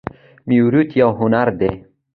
میریت یو هنر دی